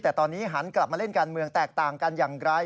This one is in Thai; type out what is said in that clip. แต่ตอนนี้หันกลับมาเล่นการเมืองแตกต่างกันอย่างไร